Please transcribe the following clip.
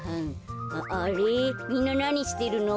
あれみんななにしてるの？